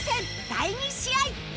第２試合